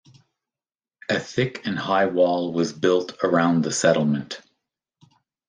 A thick and high wall was built around the settlement.